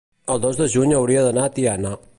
el dos de juny hauria d'anar a Tiana.